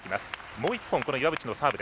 もう１本、岩渕のサーブ。